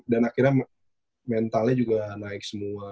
dan akhirnya mentalnya juga naik semua